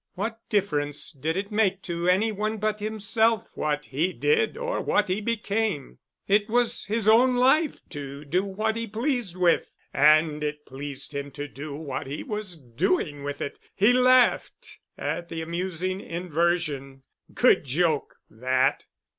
What difference did it make to any one but himself what he did or what he became? It was his own life to do what he pleased with. And it pleased him to do what he was doing with it. He laughed at the amusing inversion. Good joke, that!